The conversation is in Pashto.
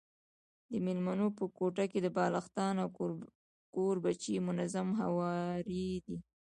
د مېلمنو په کوټه کي بالښتان او کوربچې منظم هواري دي.